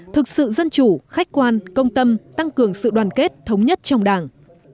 thực sự dân chủ khách quan công tâm tăng cường sự đoàn kết thống nhất trong đảng